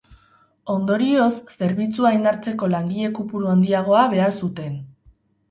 Ondorioz, zerbitzua indartzeko langile kopuru handiagoa behar zuten.